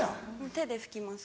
手で拭きます